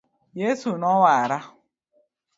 Yesu nowara .